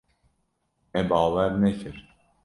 Me bawer nekir.